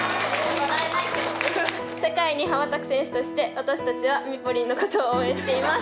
「世界に羽ばたく選手として私達はみぽりんの事を応援しています。